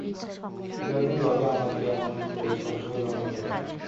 চিরদিন লোকে আমাকে এমন করে সহ্যই বা করবে কেন?